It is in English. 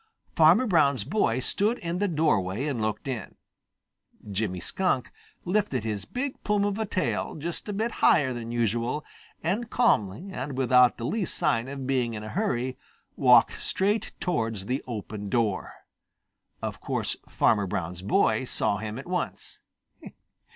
Farmer Brown's boy stood in the doorway and looked in. Jimmy Skunk lifted his big plume of a tail just a bit higher than usual and calmly and without the least sign of being in a hurry walked straight towards the open door. Of course Farmer Brown's boy saw him at once.